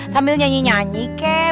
sambil nyanyi nyanyi kek